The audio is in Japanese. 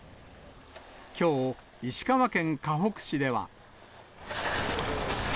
きょう、石川県かほく市では。